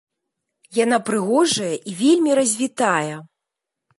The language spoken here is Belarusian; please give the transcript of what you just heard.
Яна прыгожая і вельмі развітая.